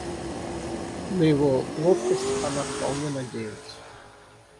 На его ловкость она вполне надеялась.